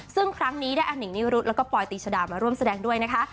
ซึ่งครั้งนี้ได้อนิงนิรุธแล้วก็ปอยตีชดามาร่วมแสดงด้วยนะคะ